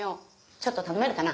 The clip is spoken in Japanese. ちょっと頼めるかな？